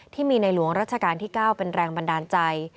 ที่มีในหลวงรัชกาลที่๙เป็นแรงบันดาลใจ